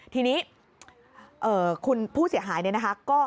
ทีนี้คุณผู้เสียหายเนี่ยนะคะ